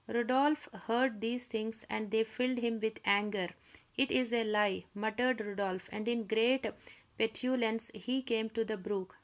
Rodolph heard these things, and they filled him with anger. "It is a lie!" muttered Rodolph; and in great petulance he came to the brook.